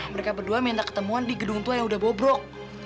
mereka berdua minta ketemuan di gedung tua yang udah bobrok